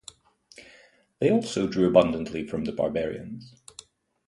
They also drew abundantly from the "barbarians".